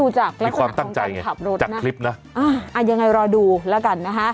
ใช่ครับ